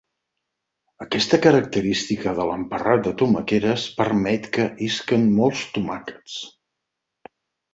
Aquesta característica de l'emparrat de tomaqueres permet que isquen molts tomàquets.